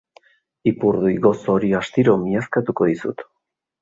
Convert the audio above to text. Ipurdi gozo hori astiro miazkatuko dizut.